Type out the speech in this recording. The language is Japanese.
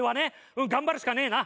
うん頑張るしかねえな。